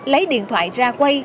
lấy điện thoại ra quay